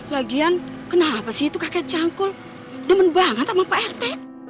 lagian kenapa sih itu kakek cangkul demen banget sama pak rt